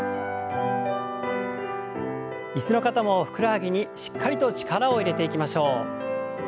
椅子の方もふくらはぎにしっかりと力を入れていきましょう。